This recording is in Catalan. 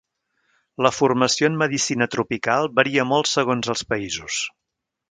La formació en Medicina Tropical varia molt segons els països.